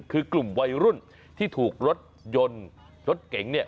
คือกลุ่มวัยรุ่นที่ถูกรถยนต์รถเก๋งเนี่ย